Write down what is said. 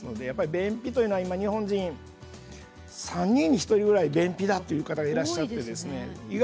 便秘は今、日本人３人に１人ぐらい便秘だという方がいらっしゃるんです。